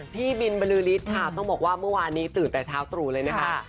พี่บินบรือฤทธิ์ค่ะต้องบอกว่าเมื่อวานนี้ตื่นแต่เช้าตรู่เลยนะคะ